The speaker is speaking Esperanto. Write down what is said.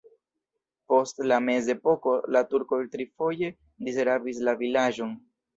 Post la mezepoko la turkoj trifoje disrabis la vilaĝon.